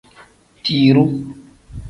Tiruu.